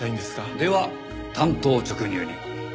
では単刀直入に。